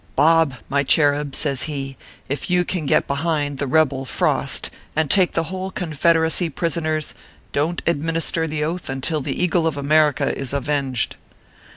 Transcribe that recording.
" Bob, my cherub/ says he, " if you can get behind the rebel Frost, and take the whole Confederacy pris oners, don t administer the Oath until the Eagle of America is avenged."